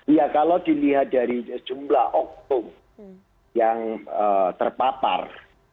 iya kalau dilihat dari jumlah okto yang terpapar